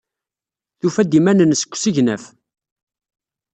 Tufa-d iman-nnes deg usegnaf.